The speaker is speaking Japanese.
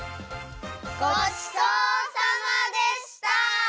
ごちそうさまでした！